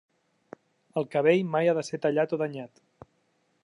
El cabell mai ha de ser tallat o danyat.